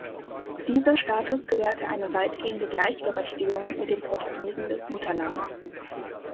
Dieser Status gewährte eine weitgehende Gleichberechtigung mit den Portugiesen des Mutterlandes.